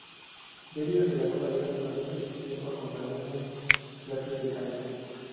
Berio se ganó la vida durante ese tiempo acompañando clases de canto.